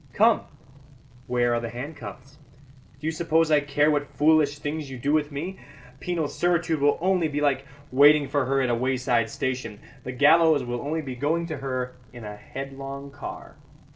Come, where are the handcuffs? Do you suppose I care what foolish things you do with me? Penal servitude will only be like waiting for her at a wayside station. The gallows will only be going to her in a headlong car."